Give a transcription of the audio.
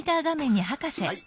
はい。